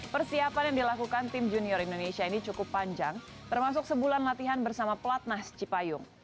persiapan yang dilakukan tim junior indonesia ini cukup panjang termasuk sebulan latihan bersama pelatnas cipayung